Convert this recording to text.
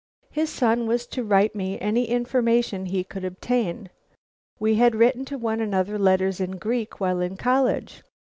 His son was to write me any information he could obtain. We had written one another letters in Greek while in college.